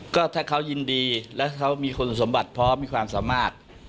ก็ถ้าเขายินดีแล้วเขามีคุณสมบัติพร้อมมีความสามารถ